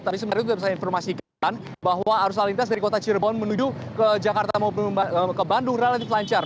tapi sebenarnya itu sudah saya informasikan bahwa arus lintas dari kota cirebon menuju ke jakarta dan bandung relatif lancar